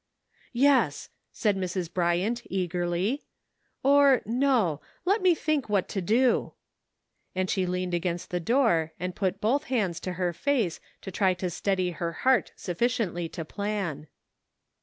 " Yes," said Mrs. Bryant eagerly, " or, no ; let me think what to do," and she .leaned against the door and put both hands to her face to try to steady her heart sufficiently to plan.